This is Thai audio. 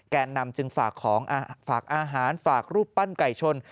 แก่นำจึงฝากของฝากอาหารฝากรูปปั้นไก่ชน